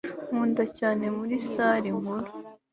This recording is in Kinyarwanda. Nkunda cyane muri salle nkuru